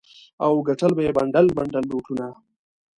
او ګټل به یې بنډل بنډل نوټونه.